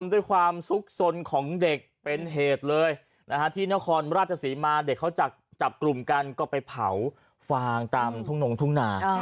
ด้วยความสุขสนของเด็กเป็นเหตุเลยที่นครราชศรีมาเด็กเขาจับกลุ่มกันก็ไปเผาฟางตามทุ่งนงทุ่งนา